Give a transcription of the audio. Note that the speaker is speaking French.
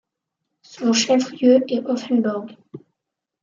Son chef-lieu est Offenbourg.